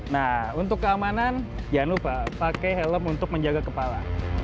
nah untuk keamanan jangan lupa pakai helm untuk menjaga kepala